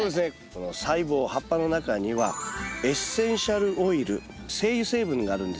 この細胞葉っぱの中にはエッセンシャルオイル精油成分があるんですよ。